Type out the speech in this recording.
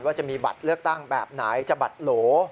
จะมีบัตรเลือกตั้งแบบไหนจะบัตรโหล